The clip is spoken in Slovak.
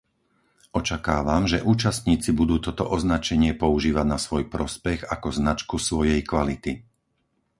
Očakávam, že účastníci budú toto označenie používať na svoj prospech ako značku svojej kvality.